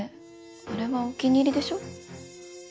あれはお気に入りでしょ。